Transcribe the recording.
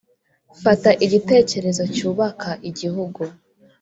Fata igitekerezo cy’ubaka igihugu